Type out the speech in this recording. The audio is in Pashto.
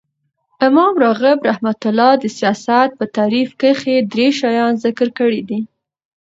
امام راغب رحمة الله د سیاست په تعریف کښي درې شیان ذکر کړي دي.